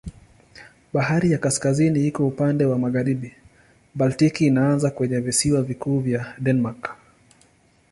Bahari ya Kaskazini iko upande wa magharibi, Baltiki inaanza kwenye visiwa vikuu vya Denmark.